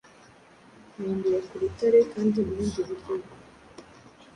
Kurandura ku rutare, Kandi ubundi buryo bwo